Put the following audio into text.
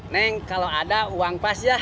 neng kalau ada uang pas ya